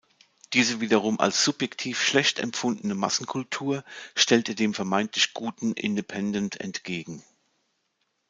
Diese wiederum als subjektiv schlecht empfundene Massenkultur stellt er dem vermeintlich „guten“ Independent entgegen.